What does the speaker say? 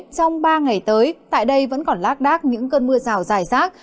trong ba ngày tới tại đây vẫn còn lác đác những cơn mưa rào dài rác